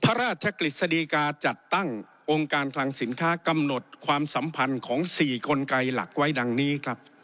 พระราชกฤษฎีกาจัดตั้งองค์การคลังสินค้ากำหนดความสัมพันธ์ของ๔กลไกหลักไว้ดังนี้ครับ